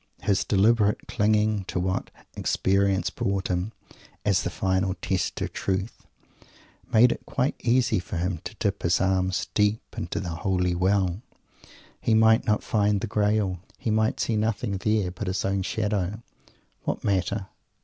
His deliberate clinging to what "experience" brought him, as the final test of "truth," made it quite easy for him to dip his arms deep into the Holy Well. He might not find the Graal; he might see nothing there but his own shadow! What matter?